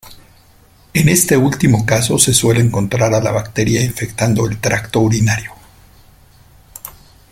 En este último caso, se suele encontrar a la bacteria infectando el tracto urinario.